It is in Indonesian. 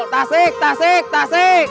tasik tasik tasik